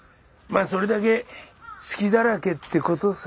あそれだけ隙だらけってことさ。